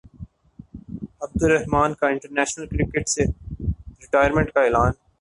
عبدالرحمن کا international cricket سے retirement کا اعلان